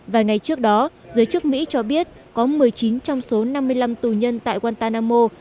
vài ngày trước đó giới chức mỹ cho biết có một mươi chín trong số năm mươi năm tù nhân tại gantanamo